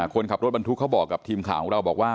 คนขับรถบรรทุกเขาบอกกับทีมข่าวของเราบอกว่า